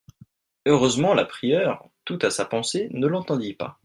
Heureusement la prieure, toute à sa pensée, ne l'entendit pas.